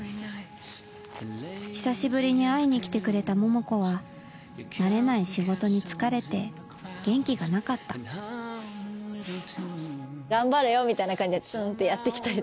久しぶりに会いに来てくれた桃子は慣れない仕事に疲れて元気がなかった「頑張れよ」みたいな感じでツンってやって来たり。